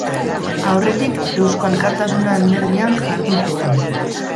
Aurretik Eusko Alkartasuna alderdian jardun zuen.